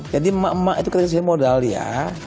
jadi emak emak itu kreasi modal ya